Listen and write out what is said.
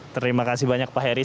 terima kasih banyak pak heri